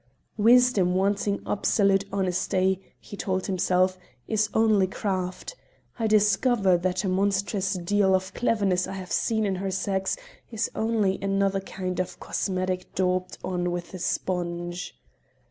"Wisdom wanting absolute honesty," he told himself, "is only craft: I discover that a monstrous deal of cleverness I have seen in her sex is only another kind of cosmetic daubed on with a sponge."